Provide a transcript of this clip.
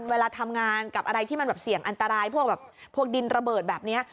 เวลาทำงานกับอะไรที่มันแบบเสี่ยงอันตรายพวกแบบพวกดินระเบิดแบบนี้